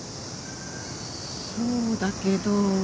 そうだけど。